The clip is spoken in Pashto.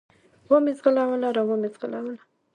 و مې زغلوله، را ومې زغلوله.